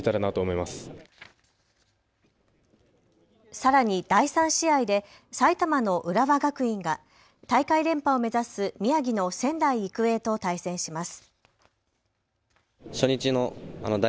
さらに第３試合で埼玉の浦和学院が大会連覇を目指す宮城の仙台育英と対戦します。